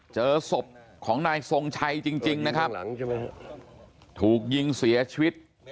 เจอศพของนายทรงชัยจริงนะครับถูกยิงเสียชีวิต